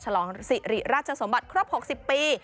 ฉลองสิริราชสมบัติครบ๖๐ปี